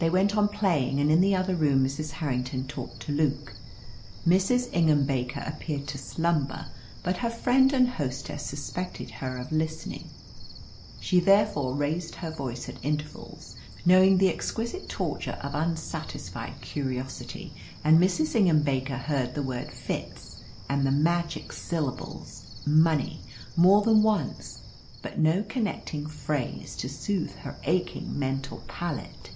They went on playing, and in the other room Mrs. Harrington talked to Luke. Mrs. Ingham Baker appeared to slumber, but her friend and hostess suspected her of listening. She therefore raised her voice at intervals, knowing the exquisite torture of unsatisfied curiosity, and Mrs. Ingham Baker heard the word "Fitz," and the magic syllables "money," more than once, but no connecting phrase to soothe her aching mental palate.